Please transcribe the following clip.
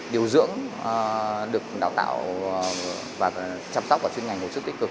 điều dưỡng được đào tạo và chăm sóc và chuyên ngành hồi sức tích cực